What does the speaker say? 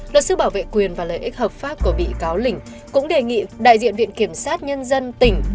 luật sư bảo vệ quyền và lợi ích hợp pháp của bị cáo lĩnh cũng đề nghị đại diện viện kiểm sát nhân dân tỉnh